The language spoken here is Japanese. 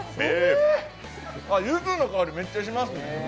ゆずの香り、めっちゃしますね。